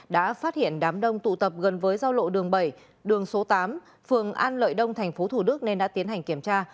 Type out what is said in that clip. đã phát hiện đám đông tụ tập gần với giao lộ đường bảy đường số tám phường an lợi đông tp thủ đức nên đã tiến hành kiểm tra